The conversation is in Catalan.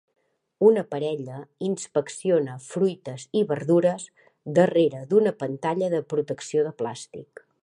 Una parella inspecciona fruites i verdures darrere d'una pantalla de protecció de plàstic.